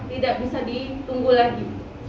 tidak bisa ditunggu lagi